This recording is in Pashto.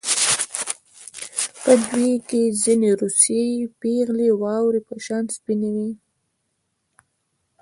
په دوی کې ځینې روسۍ پېغلې د واورې په شان سپینې وې